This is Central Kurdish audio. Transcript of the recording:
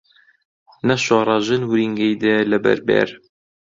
نە شۆڕەژن ورینگەی دێ لەبەر بێر